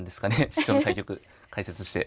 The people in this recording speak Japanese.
師匠の対局解説して。